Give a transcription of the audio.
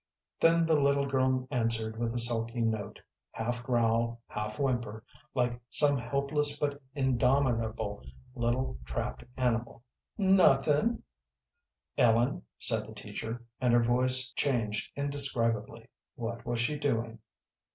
Then the little girl answered, with a sulky note, half growl, half whimper, like some helpless but indomitable little trapped animal, "Nothin'." "Ellen," said the teacher, and her voice changed indescribably. "What was she doing?"